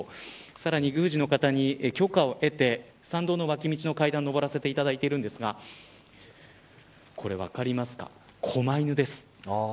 さらに、宮司の方に許可を得て参道の脇道の階段を上らせていただいていますがこれ、分かりますかこま犬です。